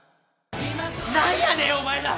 なんやねんお前ら！